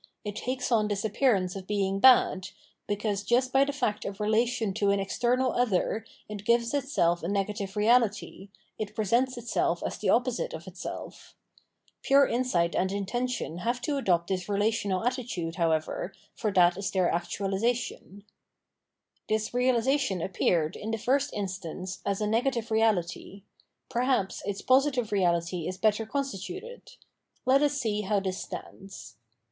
It takes on this appearance of being bad, because just by the fact of relation to an external other it gives itself a negative reahty, it presents itself as the opposite of itself. Pure insight and intention have to 566 Phenomenology of Mind adopt tlus relational attitude, however, for that is their actualisation. This reahsation appeared, in the first instance, as a negative reahty. Perhaps its positive reality is better constituted. Let us see how this stands.